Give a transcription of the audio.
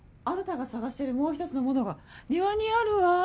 あなたが探してるもう一つのものが庭にあるわ。